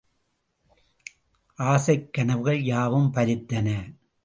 ஆசைக்கனவுகள் யாவும் பலித்தன.